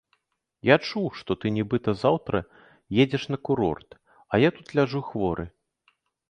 Я чуў, што ты нібыта заўтра едзеш на курорт, а я тут ляжу хворы.